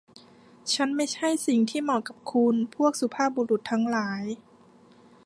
ฉันไม่ใช่สิ่งที่เหมาะกับคุณ พวกสุภาพบุรุษทั้งหลาย